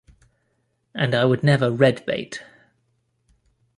And I would never red-bait.